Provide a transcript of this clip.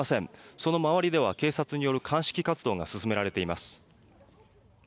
その周りでは警察による鑑識活動が進められています。